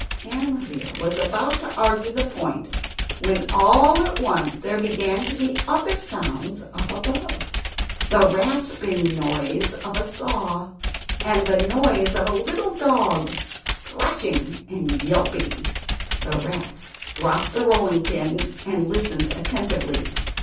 Anna Maria was about to argue the point when all at once there began to be other sounds up above the rasping noise of a saw, and the noise of a little dog, scratching and yelping! The rats dropped the rolling pin and listened attentively.